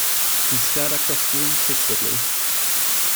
He stared across the room fixedly.